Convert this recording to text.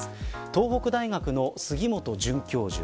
東北大学の杉本准教授。